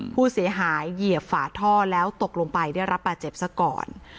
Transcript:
ผู้เสียหายเหยียบฝาท่อแล้วตกลงไปได้รับบาดเจ็บซะก่อน